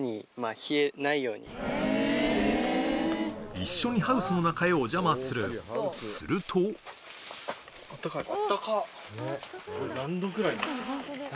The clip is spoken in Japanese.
一緒にハウスの中へお邪魔するするとうわ。